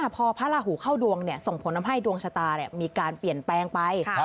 พอพระราหูเข้าดวงส่งผลทำให้ดวงชะตามีการเปลี่ยนแปลงไป